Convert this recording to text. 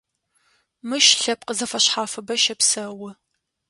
Мыщ лъэпкъ зэфэшъхьафыбэ щэпсэу.